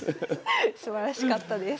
すばらしかったです。